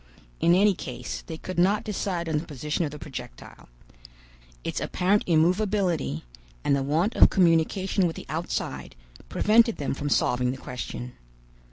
In any case they could not decide on the position of the projectile. Its apparent immovability, and the want of communication with the outside, prevented them from solving the question.